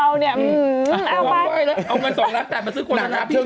เอาเงิน๒ล้านแปดมาซื้อโฆษณา